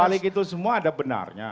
balik itu semua ada benarnya